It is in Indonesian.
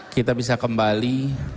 kita bisa kembali